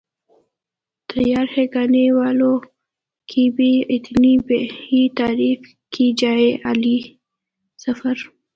تیار ہیں گانے والوں کی بھی اتنی ہی تعریف کی جائے علی ظفر